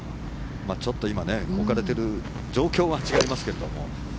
ちょっと今置かれている状況は違いますけれども。